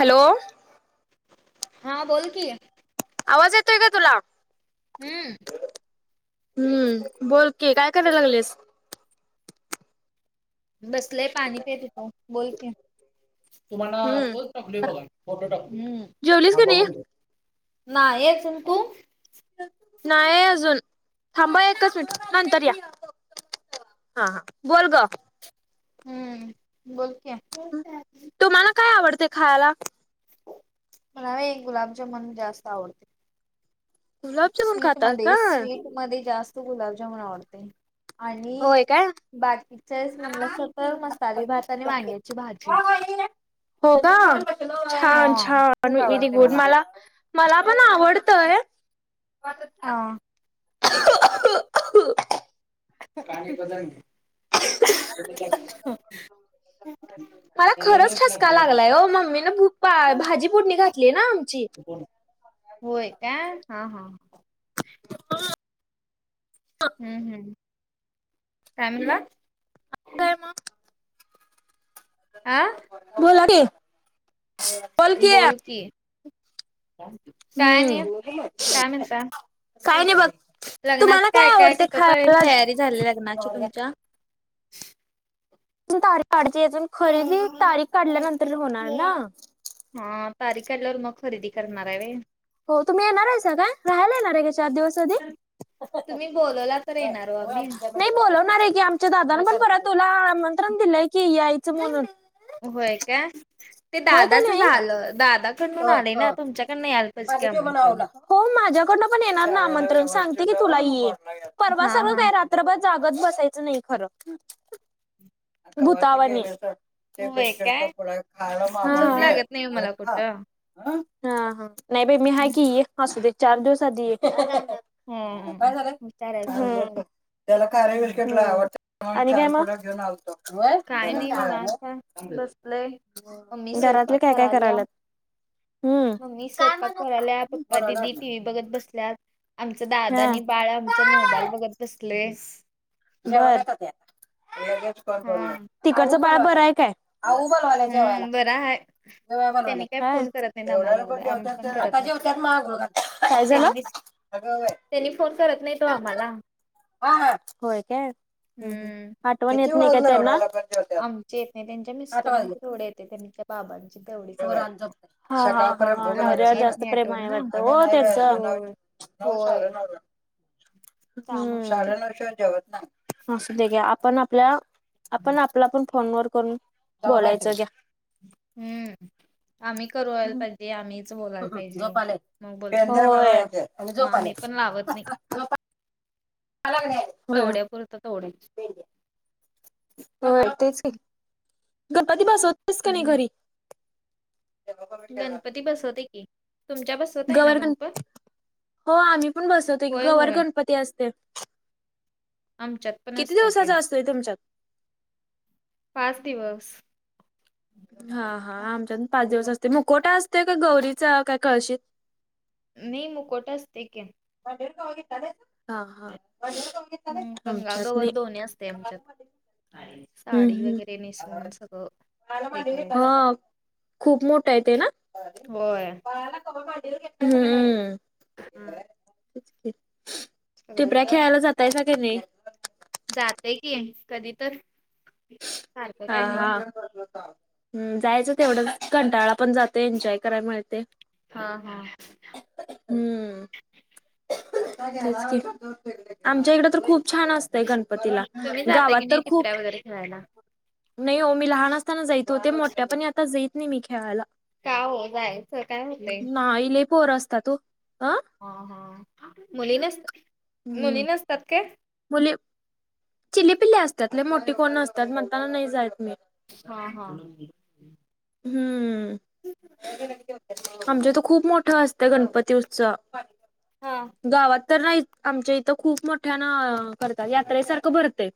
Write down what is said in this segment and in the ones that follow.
Hello. हा बोल की. आवाज येतोय काय तुला. हम्म. हम्म बोलकी काय कराय लागल्यास. बसलोय पाणी पित होतो, बोल की. तुम्हाना हम्म पोस्ट टाकलोय बघा फोटो टाक हम्म जेवलीस हा की नाही? बघून घे. नाही अजुन. तु? नाही अजून थांबा एकच मिनट नंतर या. हा हा बोलग. हम्म बोल की. तुम्हाला काय आवडतय खायला? मला व्हय गुलाबजामुन जास्त आवडतय. गुलाबजामुन खातात का? स्वीटमध्ये स्वीटमध्ये जास्त गुलाबजामन आवडते. आणि होय काय? बाकीचेस म्हणलं सकल मसाले भात आणि वांग्याची भाजी. हो का? हा छान छान खूप व्हेरी आवडते गुड. मला मला पण आवडतय. हा [inaudible] [unintelligible] मला खरंच ठसका लागलाय ओ मम्मीनं भूक भाजी फोडणी घातल्या ना आमची. होय काय? हा हा. हम्म हम्म. काय म्हणला? काय मग आ? बोला की, बोल की. थँक्यू. हम्म काय नाही बघ. तुम्हाला लग्नाच काय काय आवडते कुठंपर्यंत खायला? तयारी झाल्या लग्नाची तुमच्या. तारीख काढचीून खरेदी तारीख काढल्यानंतर होणार ना. हा तारिक काढल्यावर मग खरेदी करणार हाय व्हय. हो तुम्ही येणार आहेसा काय? राहायला येणार आहे का चार दिवस? आधी तुम्ही बोलवला तर येणार ओ आम्ही. नाही बोलवणार आहे की. आमच्या दादानं पण परवा तुला आमंत्रण दिलंय की यायचं म्हणून. होय काय? ते होय का दादाच नाही झालं. दादाकडून आलंय ना तुमच्याकडनं याय हो माझ्याकडनं पण येणार ना आमंत्रण सांगते की तुला ये. परवा हा सर्व हा [unintelligible] तर ब जागच बसायचं नाही खरं भूतावानी. ते होय बिस्किट तर काय पुढ खायला झोप माग घे लागत नाही अ मला खा कुठं हा हा. नाही बाई मी हाय की ते. असू दे चार दिवस आधी ये काय. हम्म हुशार ह्यासा हुशार ह्यासा. आणि काय मग. काही नाही निवांत हाय बसलोय. मम्मी घरातले स्वयंपाक काय काय कराल्या. करायला हम्म मम्मी स्वयंपाक कराल्या पप्पा दिदी टी व्ही बघत बसल्यात आमच दादा हा आणि बाळ [unintelligible] मोबाईल बघत बसले. हा बर. तिकडचं बाळ बर आहे काय? आऊ बोलवाल्या जेवायला. हम्म बरा आहे. काय बोलू राहील्या काय‌ येवड्या वेळ कोन एवढं आम्ही जेवत्यात, पण काय करत आता नाही जेवत्यात मग आंघोळ घालत्यात. काय झालं? अगं बाय. तेनी फोन करत नाही, ओ आम्हाला. होय काय? हम् हम हम्म आठवण येत नाही का तेना. आमचे येत नाही. त्यांच्या मिस्टरांचे तेवढ येते त्यांच्या, बाबांची तेवढीच येतात. आमची येत जास्त नाही प्रेम आठवण आहे ना वाटतं हो त्याचं. होय नऊ होय साडेनऊला, त्यामुळं साडेनऊ शिवाय जेवत नाही. असुद्या घ्या आपण आपल्या, आपण आपला पण फोन व करून बोलायचं घ्या. हम्म, आम्ही करवायला पाहिजे, आम्हीच बोलायला पाहिजे. मग बोलत, होय मा मी पण लावत नाही. होय तेवढ्या पुुरत तेवढीच. होय. तेच की गणपती बसवतेस कणी हम्म घरी. गणपती बसवतोय की, तुमच्या बस गवरगण, हो आम्ही पण बसवतोी होय गवर होय गणपती असते. आमच्यात पन किती असतेय, की दिवसाचा असतोय तुमच्यात पाच दिवस. हा हा, आमच्यात पाच दिवस असते मुकोटा असते का गौरीचा काय कळशीत? नै मुकोट असतंय की, [unintelligible] हां हां. हम्म आमच्यात गंगागवर नाही. दोन्ही असते आमच्यात हम्म साडी हम्म. वगैरे नेसून सगळं हे करायचं हो! खूप मोठ आहे तेना. होय हम्म! हा, सगळं टिपऱ्या खेळायला जाताय सगनी? जाते की कधी तर! सारखं हा काय नाही हा. हम् जायचं तेवढं, कंटाळा पण जातो एन्जॉय करायला मिळते. हा हा. हम्म. आमच्या इकड तर, खूप छान असत गणपतीला, तुम्ही जाता गावात की नाही तर खूप टिपऱ्या वगैरे खेळायला. नाही हो, मी लहान असताना जाईत होते, मोठ्या पणी आता जाईत नाही मी खेळायला. का हो जायचं काय होतंय? ना इ ले पोवर असता ओ. अ हां हां. मुली नसत्यात, मुली नसत्यात काय. मुले चिलीपिल्ली असत्यात. मोठीे कोण नसत्यात म्हणताना नाही जायेत मी. हा हा. हम्म. ठीक [unintelligible] आमच्या ईत खूप मोठा असतं, गणपती उत्सव हा गावात. तर नाहीत आमच्या इथं, खूप मोठ्या न करत्यात यात्रेसारखं भरतय.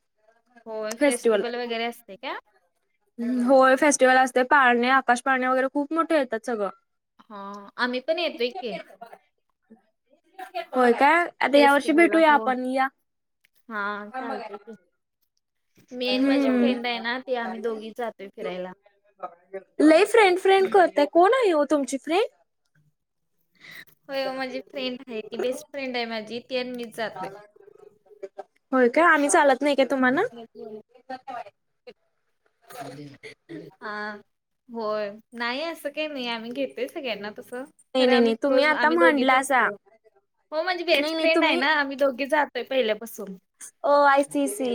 हो, फेस्टिवल वगैरे असते का? हम्म होय. फेस्टिव्हल असते पाळणे आकाश पाळणे वगैरे खूप मोठे येतात सगळं. हां. आम्ही पण येतोय की, होय का, आता या वर्षी फेस्टिवलला भेटूया हो. आपण या. हा, चालतय‌ की! मी आणि माझी हम्म. फ्रेंड आहे ना, ते आम्ही दोघी जातोय फिरायला. लई फ्रेंड फ्रेंड करतय कोण आहे हो तुमची फ्रेंड? होय माझी फ्रेंड आहे ती, बेस्ट फ्रेंड आहे माझी ती आण मी होय काय आम्ही, चालत नाही काय तुम्हाना. हा. होय नाही असं काही नाही आम्ही घेत सगळ्यांना तसं. नाही खरे नाही नाही आम्ही तुम्ही क्लोज आता आम्ही दोघीच म्हंडलासा असतो हो माझी नाही बेस्ट नाही फ्रेंड आहे तुम्ही ना आम्ही दोघीच आ पहिल्यापासून ओ आय सी सी.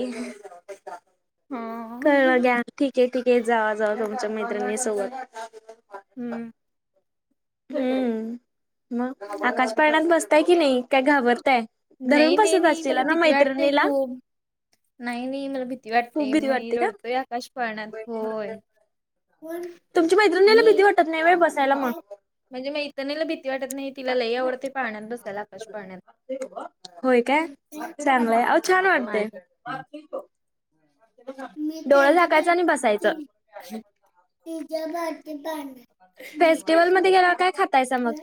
हम्म. कळलं घ्या ठीके ठीके जावा जावा तुमच्या मैत्रिणी सोबत. हम्म. हम्म मग आकाश पाळण्यात बसताय की नाही काय घाबरताय? धरून नाही नाही बसत नाही मला असशीला ना भीती वाटतेय मैत्रिणीला खूप. नाही नाही मला भीती खूप वाटते भीती मी वाटते का रडतोय आकाशपाळण्यात होय. तुमची मैत्रिणीला भीती वाटत नाही होय बस माझ्या मैत्रिणीला भीती वाटत नाही, तिला लय आवडतय पाळण्यात बसायला, आकाश पाळण्यात. होय काय चांगलंय अहो छान वाटतंय. माझ्या. बसायचं [unintelligible] मी फेस्टिवलमध्ये गेल्यावर काय खातायसा मग?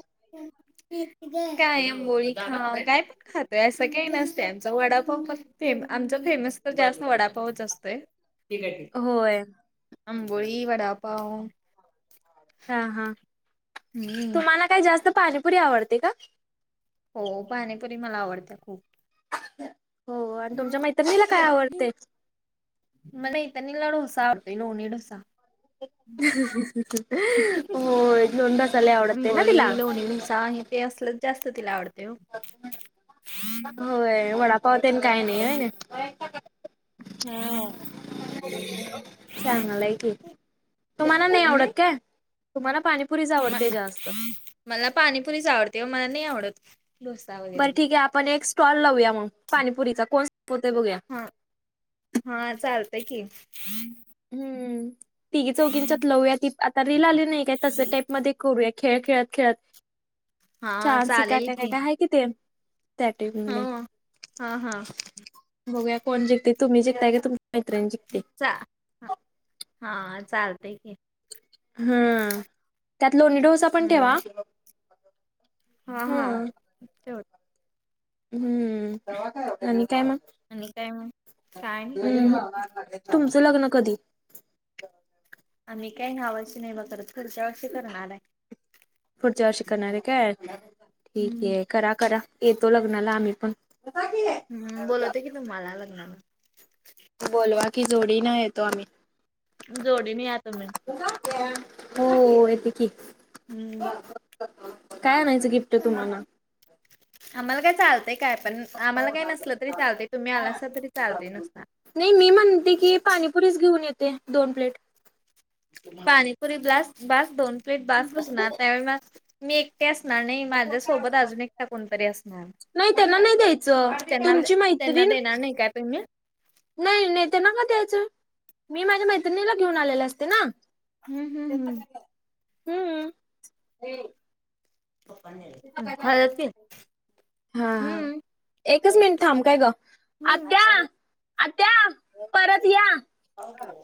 कायम बोली ह काय [unintelligible] खातय असं काही नसते आमचा वडापाव फक् फेम आमचा फेमस तर जास्त वडापावच असतो. हे ठीक आहे होय आंबोळी वडापाव हा हा. हम्म तुम्हाला काय जास्त पाणीपुरी आवडते का? हो पाणीपुरी मला आवडत्या खूप. हो आणि तुमच्या मैत्रीणीला काय आवडते? मला [unintelligible] डोसा आवडतोय लोणी डोसा. होय लोणीडोसा लयी आवडते ना तिला. आहे ते असलच जास्त तिला आवडते हो. होय वडापाव तेन काय नाही आहे ना? हम्म चांगला आहे कि. तुम्हाला नाही आवडत काय? तुम्हाला पाणीपुरीच आवडते जास्त. मला पाणीपुरीच आवडते ओ. मला नाही आवडत डो बरं ठीक आहे आपण एक स्टॉल लावूया मग पाणीपुरीचा कोण संपवत़ बघूया. हा हा. चालतंय की. हम्म. तिघी चौघींच्यात लवूया. ती आता रील आली नाही काय तस टाईपमध्ये करुया खेळ खेळत खेळत. हा चान्स चालेल की [unintelligible] कितीयैत त्याट [unintelligible] हो. हा हा बघूया कोण जिंकतंय तुम्ही जगताय का तुमची मैत्रीण जिंकते. चा हा चालतंय की. हम्म त्यात लोणी डोसा पण हम्म ठेवा. हा हा हम्म ते हम्म आणि काय मग आणि काय मग काय नाही बघा हम. निवांत तुमचं लग्न कधी? आम्ही काय यावर्षी नाही बा करत, पुढच्या वर्षी करणार आहे. पुढच्या वर्षी करणार आहे काय ठीक हम्म आहे करा करा येतो लग्नाला आम्ही पण. आता कि आहे [unintelligible] हम्म बोलवते की तुम्हाला लग्नाला. बोलवा की जोडी न येतो आम्ही. जोडीने या तुम्ही. हो येते की. हम्म. काय आणायचं गि आम्हाला काय चालतं ते काय पण आम्हाला काय नसलं तरी चालतंय, तुम्ही आलासा तरी चालतंय नुसता. नाही मी म्हणते की पाणीपुरीच घेऊन येते दोन प्लेट. पाणीपुरी ब्लास बास दोन प्लेट बास बसूना त्यावेळे मग मी एकटे असणार नाही माझ्यासोबत अजून एकटा कोणतरी असणार. नाहीत त्यांना ना त्यांना त्यांना देणार नाही काय पण मी. नाही ने त्यांना का द्यायचं मी माझ्या मैत्रिणीला घेऊन आलेले असते ना. हम्म हम्म हम्म हम्म. खालत की. हा हा. हम्म. एकच मिनिट थांब काय ग. न आत्या आत्या परत या.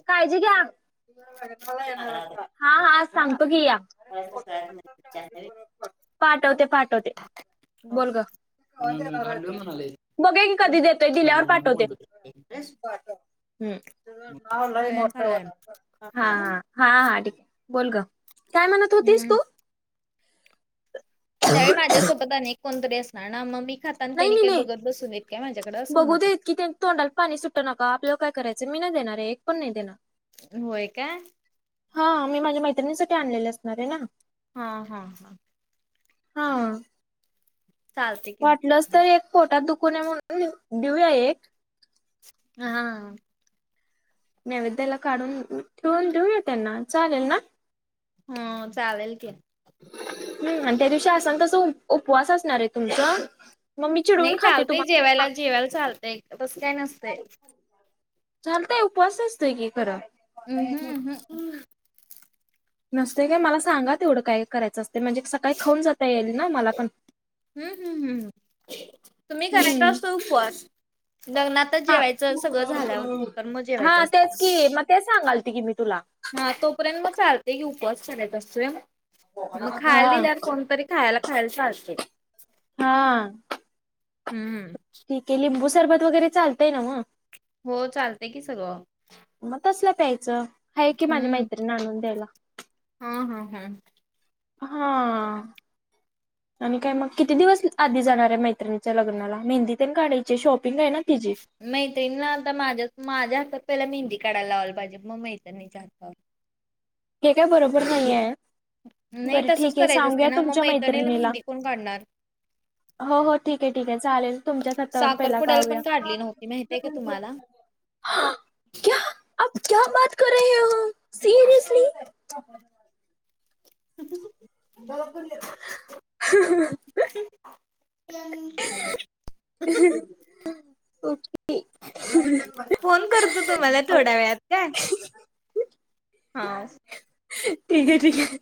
काळजी घ्या हा हा सांगतो की या. [unintelligible] [unintelligible] पाठवते पाठवते बोल गं. खाल्लोय म्हणाले बघू या की कधी देतोय दिल्यावर खाल्लो न पाठवते. म्हणलं हम्म मग सगळ्यांनी खाल्लाय हा हा. हा हा ठीक आहे बोल गं काय म्हणत होतीस हम्म. तू? त्यावेळी माझ्यासोबत आणि एक कोणतरी असणार ना मम्मी खाताना नाही त्यांनी नाही काही नाही बघत बसून देत काय माझ्याकडं अस म्हणत बघू होते. देत की ते तोंडाला पाणी सुट्ट नका आपल्याला काय करायचं मी नाही देणार आहे एक पण नाही देणार. होय काय. हा मी माझ्या मैत्रिणीसाठी आणलेले असणार आहे ना? हा हा हा. हा चालते की वाटलंच तर एक पोटात दुखू नये म्हणून देऊया एक. हा हा. नैवेद्याला काढून ठेवून देऊया त्यांना चालेल ना. हं चालेल की. हम्म आणि त्या दिवशी असन तसं उपवास असणार आहे तुमचां. नाही चालतय जेवायला जेवायला चालतय तसं काय नसतय. चालतय उपवास असतय की खरं. उम हम्म उम हम्म. नसते काय मला सांगा तेवढं काय करायचं असतं, म्हणजे सकाळी खाऊन जाता येईल ना मला पण. हम्म हम्म हम्म तुम्ही हम्म करतास तो उपवास लग्नात आता हा जेवायचं सगळं झाल्यावरं त मग हा जेवायचं तेच की असतं. मग तेच सांगालते की मी तुला. हा तोपर्यंत मग चालतेय की उपवास करायचा असतोय. मग खायला हा दिल्यावर कोणतरी खायाला खायला चालतंय. हा. हम्म हम्म. ते लिंबू सरबत वगैरे चालतय ना मग? हो चालतय की सगळं. मग तसला प्यायचं आहे कि माझ्या हम्म मैत्रिणी आणून द्यायला. हा हा हा. हा. आणि काय मग किती दिवस आधी जाणार आहे मैत्रिणीच्या लग्नाला मेहंदीतेन काढायची शॉपिंग आहे ना तिची. नाही तेनला आलता माझ्याच माझ्या हातात पहिला मेहंदी काढायला लावलं पाहिजे, मग मैत्रणीचा हातावर. हे काय बरोबर नाही आहे. नाही बरं तसंच ठीक आहे करायचं असते सांगूया ना मग तुमच्या मैत्रिणीला. मेहंदी कोण काढणार. हो हो ठीक आहे ठीक आहे चालेल तुमच्या खतावर पहिला साखरपुड्याला काढू या. पण काढली नव्हती माहित आहे का तुम्हाला? [unintelligible] [unintelligible] ह्म हं. [unintelligible] [unintelligible] ओके. फोन करतो तुम्हाला थोड्या वेळात काय. हा. ठीक आहे ठीक आहे.